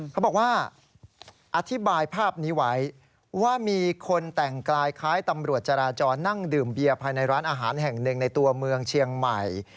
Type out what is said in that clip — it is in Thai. เขาบอกว่าอธิบายภาพนี้ไว้ว่ามีคนแต่งกายคล้ายตำรวจจราจรนั่งดื่มเบียร์ภายในร้านอาหารแห่งหนึ่งในตัวเมืองเชียงใหม่